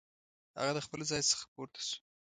هغه د خپل ځای څخه پورته شو.